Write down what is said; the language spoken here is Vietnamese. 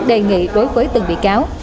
đề nghị đối với từng bị cáo